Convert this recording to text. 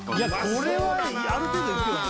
これはある程度いくよね